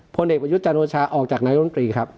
พ่อเด็กประยุทธ์จานวชาออกจากนายรุ่นตรีครับ